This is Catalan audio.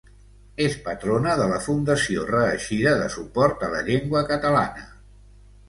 És patrona de la Fundació Reeixida de suport a la llengua catalana.